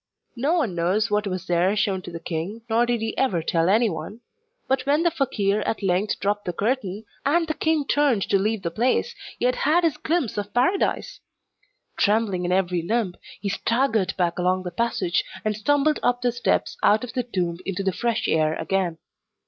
No one knows what was there shown to the king, nor did he ever tell anyone; but, when the fakeer at length dropped the curtain, and the king turned to leave the place, he had had his glimpse of Paradise! Trembling in every limb, he staggered back along the passage, and stumbled up the steps out of the tomb into the fresh air again.